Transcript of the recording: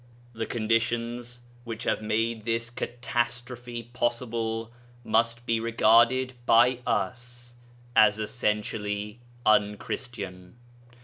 The conditions which have made this catastrophe possible must be regarded by us as essentially unchristian.